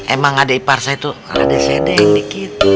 emang adek ipar saya tuh adek saya deh yang dikit